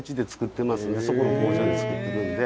そこの工場で作ってるんで。